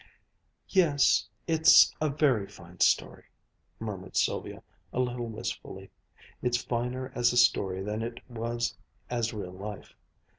"Yes, it's a very fine story," murmured Sylvia a little wistfully. "It's finer as a story than it was as real life.